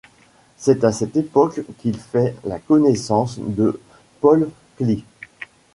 C’est à cette époque qu’il fait la connaissance de Paul Klee.